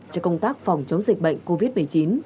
cho công tác phòng chống dịch bệnh covid một mươi chín